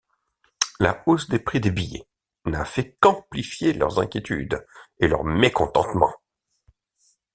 La hausse des prix des billets n'a fait qu'amplifier leurs inquiétudes et leur mécontentement.